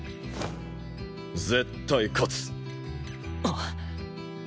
絶対勝つ。